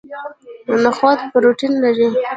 نخود پروتین لري